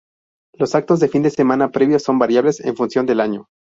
Los actos del fin de semana previo son variables en función del año.